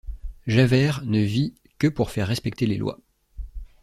Javert ne vit que pour faire respecter les lois.